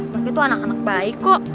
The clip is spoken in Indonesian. mereka itu anak anak baik kok